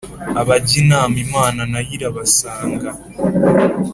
abajya inama imana nayo irabasanga